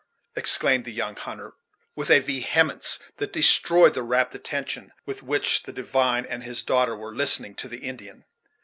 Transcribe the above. exclaimed the young hunter, with a vehemence that destroyed the rapt attention with which the divine and his daughter were listening to the Indian.